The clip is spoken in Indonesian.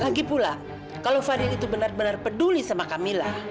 lagi pula kalau varian itu benar benar peduli sama kamilah